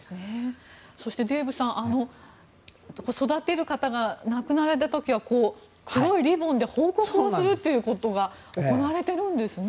そしてデーブさん育てる方が亡くなられた時は黒いリボンで報告をするということが行われているんですね。